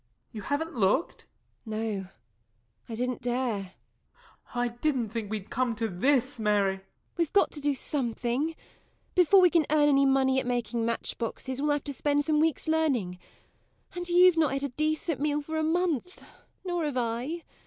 _] You haven't looked? MARY. No; I didn't dare. JOE. [Sorrowfully.] I didn't think we'd come to this, Mary. MARY. [Desperately.] We've got to do something. Before we can earn any money at making matchboxes we'll have to spend some weeks learning. And you've not had a decent meal for a month nor have I.